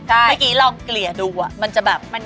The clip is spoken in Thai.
เมื่อกี้ลองเกลี่ยดูมันจะแบบ